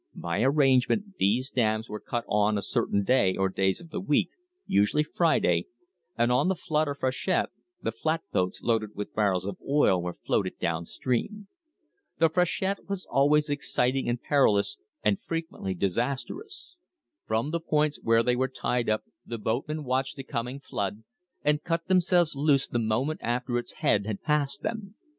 By arrangement these dams were cut on a certain day or days of the week, usually Friday, and on the flood or freshet the flatboats loaded with barrels of oil were floated down stream. The freshet was always excit ing and perilous and frequently disastrous. From the points where they were tied up the boatmen watched the coming flood and cut themselves loose the moment after its head had passed them.